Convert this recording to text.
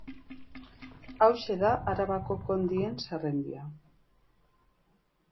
Hauxe da Arabako kondeen zerrenda.